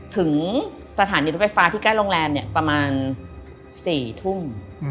ถึงสถานีรถไฟฟ้าที่ใกล้โรงแรมเนี่ยประมาณ๔ทุ่ม